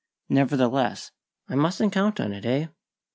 Nevertheless " "I mustn't count on it, eh?